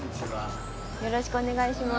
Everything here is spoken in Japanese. よろしくお願いします。